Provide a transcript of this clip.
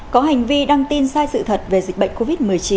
có hành vi đăng tin sai sự thật về dịch bệnh covid một mươi chín